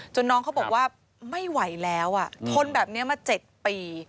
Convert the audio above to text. น้องเขาบอกว่าไม่ไหวแล้วทนแบบนี้มา๗ปี